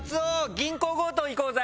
銀行強盗行こうぜ！